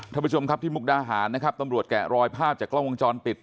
ท่านผู้ชมครับที่มุกดาหารนะครับตำรวจแกะรอยภาพจากกล้องวงจรปิด